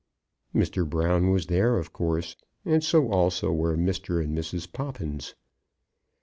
Mr. Brown was there, of course, and so also were Mr. and Mrs. Poppins.